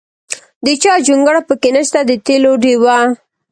د چا جونګړه پکې نشته د تېلو ډیوه.